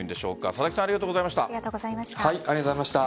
佐々木さんありがとうございました。